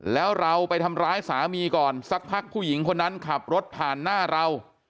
แล้วเราไปทำร้ายสามีก่อนสักพักผู้หญิงคนนั้นขับรถผ่านหน้าเรา